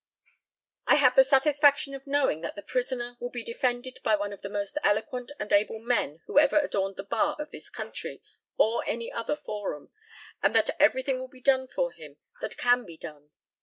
I have the satisfaction of knowing that the prisoner will be defended by one of the most eloquent and able men who ever adorned the bar of this country or any other forum, and that everything will be done for him that can be done.